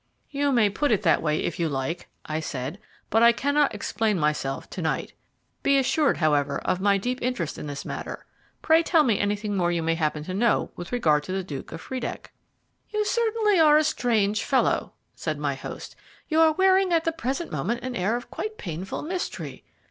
"You may put it that way if you like," I said, "but I cannot explain myself to night. Be assured, however, of my deep interest in this matter. Pray tell me anything more you may happen to know with regard to the Duke of Friedeck." "You certainly are a strange fellow," said my host. "You are wearing at the present moment an air of quite painful mystery.